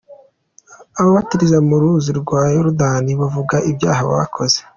Ababatiriza mu ruzi rwa Yorodani bavuga ibyaha bakoze